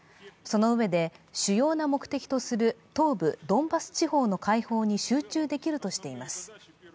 そのうえで主要な目的とする東部ドンバス地方の解放に集中できるとしています。